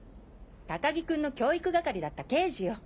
高木君の教育係だった刑事よ。